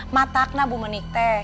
matakna bu menik teh